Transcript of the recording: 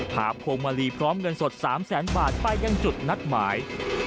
พวงมาลีพร้อมเงินสด๓แสนบาทไปยังจุดนัดหมาย